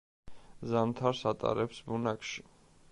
ზამთარს ატარებს ბუნაგში.